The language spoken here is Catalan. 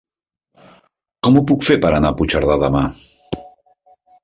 Com ho puc fer per anar a Puigcerdà demà?